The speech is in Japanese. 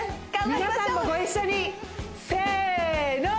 皆さんもご一緒にせーの！